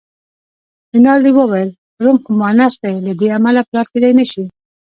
رینالډي وویل: روم خو مونث دی، له دې امله پلار کېدای نه شي.